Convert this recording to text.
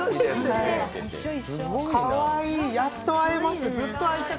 かわいい、やっと会えました。